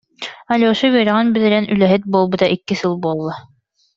Алеша үөрэҕин бүтэрэн үлэһит буолбута икки сыл буолла